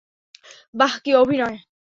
বাহ, কী অভিনয়।